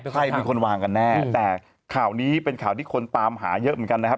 ใครเป็นคนวางกันแน่แต่ข่าวนี้เป็นข่าวที่คนตามหาเยอะเหมือนกันนะครับ